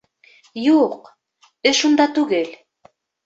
— Юҡ, эш унда түгел.